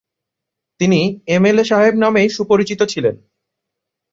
তিনি "M LA" সাহেব নামেই সুপরিচিত ছিলেন।